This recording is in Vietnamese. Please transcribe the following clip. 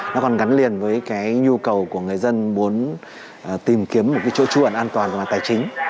nó còn gắn liền với nhu cầu của người dân muốn tìm kiếm một chỗ tru ẩn an toàn của tài chính